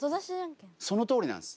そのとおりなんです。